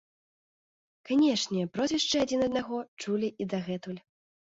Канешне, прозвішчы адзін аднаго чулі і дагэтуль.